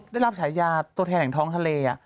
ได้รับฉายาตัวแทนแห่งท้องทะเล